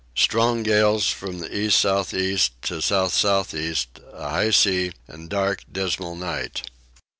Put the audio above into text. Strong gales from east south east to south south east, a high sea, and dark dismal night.